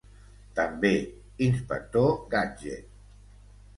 També, inspector Gadget.